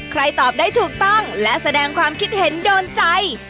ตอบได้ถูกต้องและแสดงความคิดเห็นโดนใจ